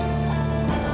mari ke rumah